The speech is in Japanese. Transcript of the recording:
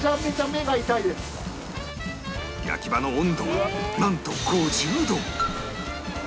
焼き場の温度はなんと５０度！